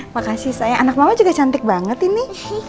makasih saya anak mama juga cantik banget ini